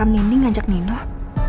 biasanya gak pernah